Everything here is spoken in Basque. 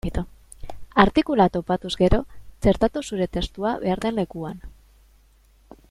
Artikulua topatuz gero, txertatu zure testua behar den lekuan.